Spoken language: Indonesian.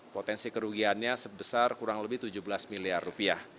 potensi kerugiannya sebesar kurang lebih tujuh belas miliar rupiah